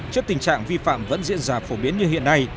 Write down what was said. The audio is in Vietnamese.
trước tình trạng vi phạm vẫn diễn ra phổ biến như hiện nay